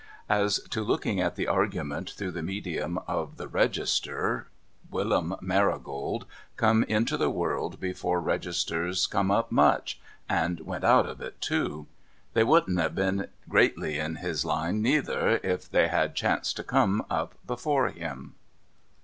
As to looking at the argument through the medium of the Register, Willum Marigold come into the world before Registers come up much, — and went out of it too. They wouldn't have been greatly in his line neither, if they had chanced to come up before him.